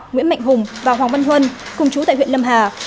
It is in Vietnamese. nguyễn mạnh hùng và hoàng văn huân cùng chú tại huyện lâm hà